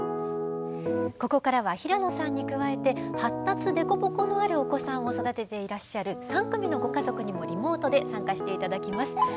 ここからは平野さんに加えて発達凸凹のあるお子さんを育てていらっしゃる３組のご家族にもリモートで参加して頂きます。